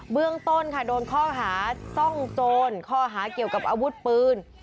เรื่องต้นค่ะโดนข้อหาซ่องโจรข้อหาเกี่ยวกับอาวุธปืน